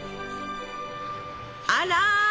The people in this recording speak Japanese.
あら！